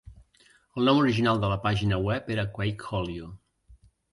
El nom original de la pàgina web era Quakeholio.